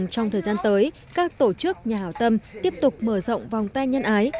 trong thời gian tới các tổ chức nhà hảo tâm tiếp tục mở rộng vòng tay nhân ái